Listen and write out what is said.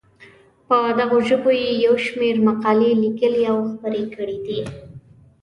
په دغو ژبو یې یو شمېر مقالې لیکلي او خپرې کړې دي.